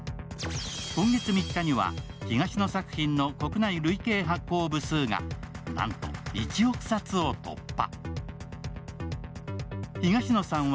今月３日には、東野作品の国内累計発行部数がなんと１億冊を突破。